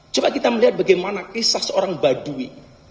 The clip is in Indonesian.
coba kita melihat bagaimana kisah seorang baduy